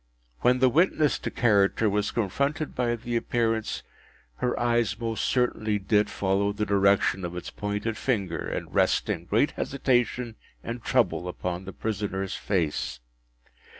When the witness to character was confronted by the Appearance, her eyes most certainly did follow the direction of its pointed finger, and rest in great hesitation and trouble upon the prisoner’s face.